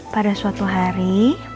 pada suatu hari